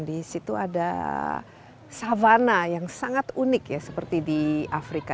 di situ ada savana yang sangat unik ya seperti di afrika